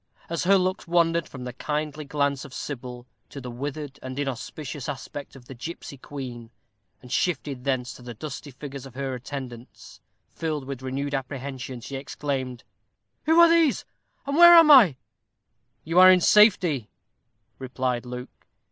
As her looks wandered from the kindly glance of Sybil to the withered and inauspicious aspect of the gipsy queen, and shifted thence to the dusky figures of her attendants, filled with renewed apprehension, she exclaimed, "Who are these, and where am I?" "You are in safety," replied Luke.